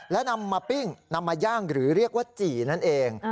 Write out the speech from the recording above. และนำมาปิ้งนำมาย่างหรือเรียกว่าจี่นั่นเอง